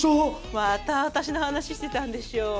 また私の話してたんでしょ。